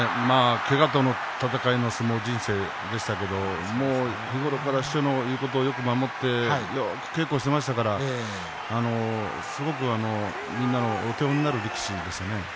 けがとの闘いの相撲人生でしたけれど師匠の言うことを日頃から守ってよく稽古をしていましたからすごく、みんなのお手本になる力士ですね。